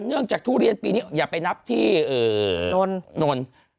จากทุเรียนปีนี้อย่าไปนับที่นนท์